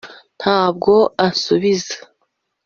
ntabwo ansubiza .